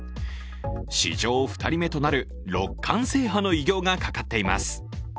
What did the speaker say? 史上２人目となる六冠制覇の偉業がかかっています。